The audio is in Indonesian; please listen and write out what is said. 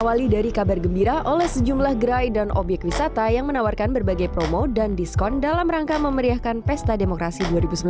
awali dari kabar gembira oleh sejumlah gerai dan obyek wisata yang menawarkan berbagai promo dan diskon dalam rangka memeriahkan pesta demokrasi dua ribu sembilan belas